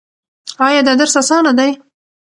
ایا دا درس اسانه دی؟